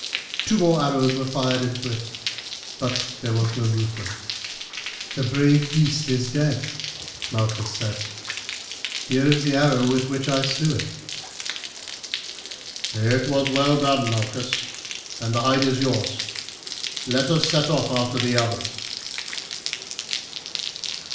Two more arrows were fired into it, but there was no movement. "The brave beast is dead," Malchus said. "Here is the arrow with which I slew it." "It was well done, Malchus, and the hide is yours. Let us set off after the others."